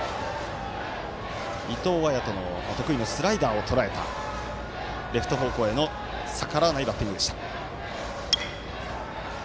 伊藤彩斗の得意のスライダーをとらえたレフト方向への逆らわないバッティングでした。